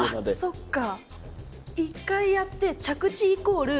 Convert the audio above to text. そっか。